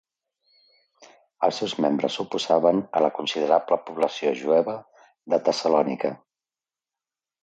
Els seus membres s'oposaven a la considerable població jueva de Tessalònica.